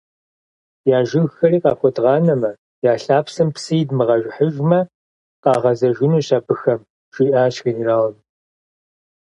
- Я жыгхэри къахуэдгъанэмэ, я лъапсэм псы идмыгъэжыхьыжмэ, къагъэзэжынущ абыхэм, – жиӏащ генералым.